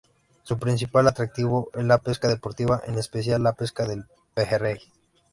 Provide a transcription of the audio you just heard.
Su principal atractivo es la pesca deportiva, en especial la pesca del pejerrey.